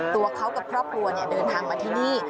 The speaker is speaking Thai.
ตัวเขากับพระบัวเนี่ยเดินทางมาที่นี่